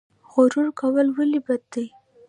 غرور کول ولې بد دي؟